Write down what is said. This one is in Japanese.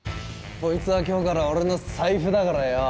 コイツは今日から俺の財布だからよう。